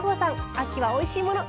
秋はおいしいもの